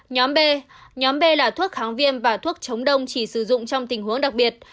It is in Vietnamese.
nhóm b nhóm b là thuốc kháng viêm và thuốc chống đông chỉ sử dụng trong tình huống đặc biệt